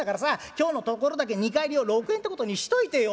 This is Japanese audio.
今日のところだけ２荷入りを６円ってことにしといてよ」。